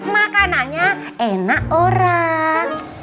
makanannya enak orang